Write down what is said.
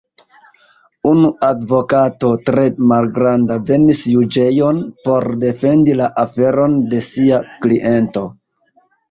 Unu advokato, tre malgranda, venis juĝejon, por defendi la aferon de sia kliento.